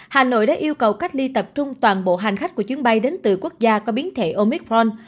hà nội đã yêu cầu cách ly tập trung toàn bộ hành khách của chuyến bay đến từ quốc gia có biến thể omicron